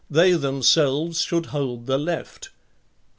2 themselves should, hold the. Jeft, and.